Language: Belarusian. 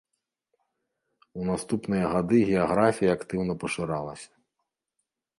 У наступныя гады геаграфія актыўна пашыралася.